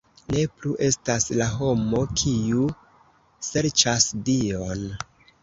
Ne plu estas la homo kiu serĉas Dion!